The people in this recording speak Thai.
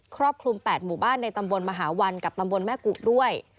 รอบคลุม๘หมู่บ้านในตำบลมหาวันกับตำบลแม่กุด้วย